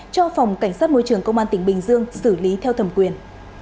cho phòng cảnh sát môi trường công an tỉnh bình dương xử lý theo thẩm quyền